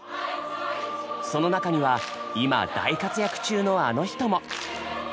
その中には今大活躍中のあの人も！